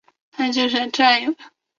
他就想占有呀